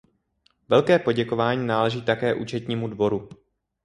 Velké poděkování náleží také Účetnímu dvoru.